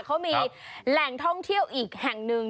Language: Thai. เขามีแหล่งท่องเที่ยวอีกแห่งหนึ่ง